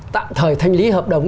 tạm thời thanh lý hợp đồng